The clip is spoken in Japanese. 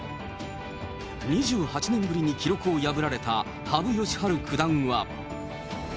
２８年ぶりに記録を破られた羽生善治九段は。